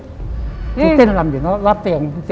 ตื่นเต้นลำอยู่แล้วลาบเตียง